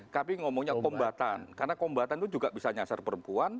kami ngomongnya kombatan karena kombatan itu juga bisa nyasar perempuan